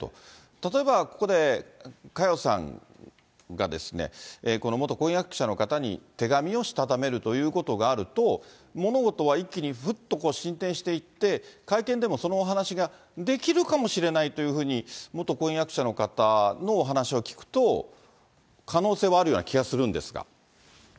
例えばここで佳代さんがですね、この元婚約者の方に手紙をしたためるということがあると、物事は一気に、ふっと進展していって、会見でもそのお話ができるかもしれないというふうに、元婚約者の方のお話を聞くと、可能性はあるような気がするんですが。